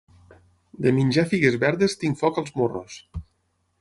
De menjar figues verdes tinc foc als morros.